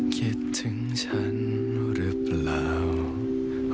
คิดถึงฉันหรือเปล่า